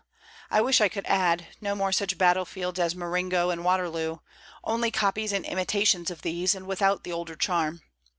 I wish I could add, no more such battlefields as Marengo and Waterloo, only copies and imitations of these, and without the older charm.